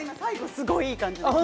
すごくいい感じでした。